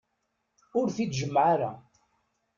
Ur t-id-jemmε ara.